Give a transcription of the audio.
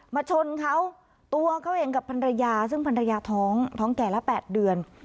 ชนเขาตัวเขาเองกับภรรยาซึ่งภรรยาท้องท้องแก่ละ๘เดือน